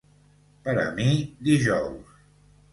Per a mi, dijous